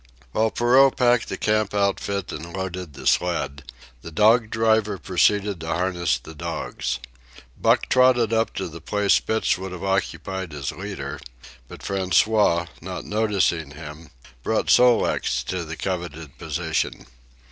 While Perrault packed the camp outfit and loaded the sled, the dog driver proceeded to harness the dogs. Buck trotted up to the place Spitz would have occupied as leader; but François, not noticing him, brought Sol leks to the coveted position.